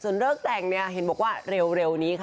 เลิกแต่งเนี่ยเห็นบอกว่าเร็วนี้ค่ะ